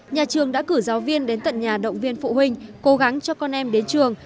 nhà trường đã cử giáo viên đến tận nhà động viên phụ huynh cố gắng cho con em đến trường